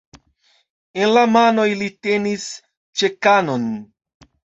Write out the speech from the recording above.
En la manoj li tenis "ĉekanon".